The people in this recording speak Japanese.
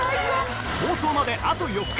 放送まであと４日。